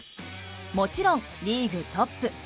もちろんリーグトップ。